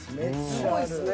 すごいっすね。